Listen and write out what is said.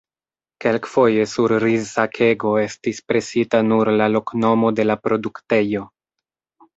Kelkfoje sur rizsakego estis presita nur la loknomo de la produktejo.